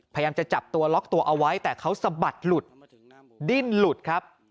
พยายามจะจับตัวล็อกตัวเอาไว้แต่เขาสะบัดหลุดดิ้นหลุดครับ